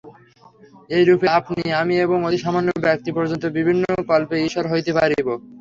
এইরূপে আপনি, আমি এবং অতি সামান্য ব্যক্তি পর্যন্ত বিভিন্ন কল্পে ঈশ্বর হইতে পারিব।